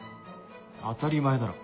当たり前だろ。